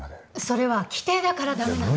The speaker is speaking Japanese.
それは規定だから駄目なの。